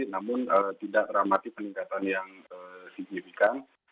namun tidak ramati peningkatan yang dikibikan